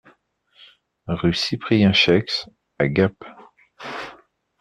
Rue Cyprien Chaix à Gap